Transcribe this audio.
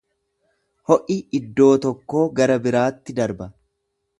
Ho’i iddoo tokkoo gara biraatti darba.